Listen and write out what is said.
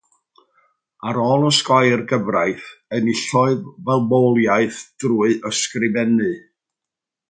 Ar ôl osgoi'r gyfraith, enillodd fywoliaeth drwy ysgrifennu.